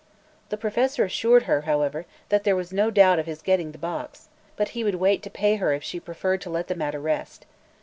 The Professor assured her, however, that there was no doubt of his getting the box, but he Would wait to pay her, if she preferred to let the matter rest.